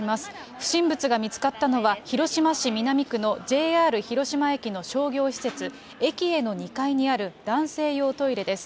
不審物が見つかったのは広島市南区のＪＲ広島駅の商業施設、エキエの２階にある男性用トイレです。